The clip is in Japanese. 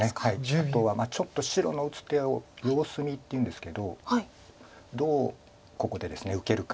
あとはちょっと白の打つ手を様子見っていうんですけどどうここでですね受けるか。